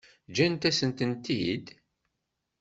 Ǧǧant-asen-tent-id?